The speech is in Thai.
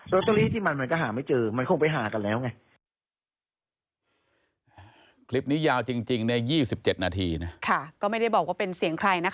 ตเตอรี่ที่มันมันก็หาไม่เจอมันคงไปหากันแล้วไง